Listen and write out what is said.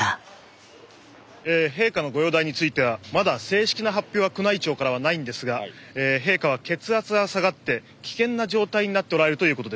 陛下のご容体についてはまだ正式な発表は宮内庁からはないんですが陛下は血圧が下がって危険な状態になっておられるということです。